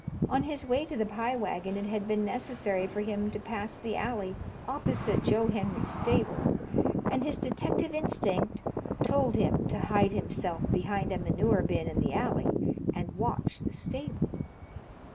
On his way to the Pie Wagon it had been necessary for him to pass the alley opposite Joe Henry's stable and his detective instinct told him to hide himself behind a manure bin in the alley and watch the stable.